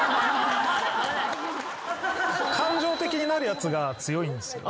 感情的になるやつが強いんですよ。